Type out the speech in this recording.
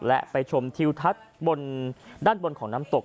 และไปชมทิวทัศน์บนด้านบนของน้ำตก